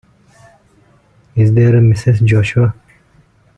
Is there a Mrs. Joshua?